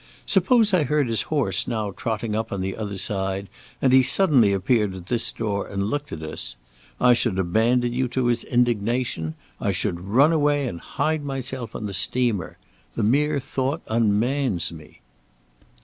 Suppose I heard his horse now trotting up on the other side, and he suddenly appeared at this door and looked at us. I should abandon you to his indignation. I should run away and hide myself on the steamer. The mere thought unmans me."